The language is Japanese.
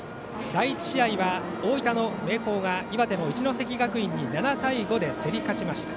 第１試合は大分の明豊が岩手の一関学院に７対５で競り勝ちました。